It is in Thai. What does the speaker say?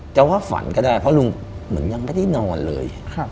จะว่าฝันก็ได้เพราะลุงเหมือนยังไม่ได้นอนเลย